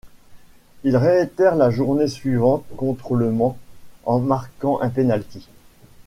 Il réitère la journée suivante contre Le Mans en marquant un pénalty.